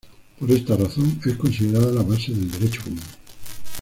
Por esta razón es considerada la base del derecho común.